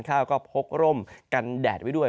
ข้าวก็พกร่มกันแดดไว้ด้วย